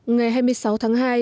ngày hai mươi sáu tháng hai